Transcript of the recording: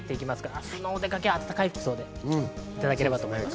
明日のお出かけは暖かい服装で行っていただきたいと思います。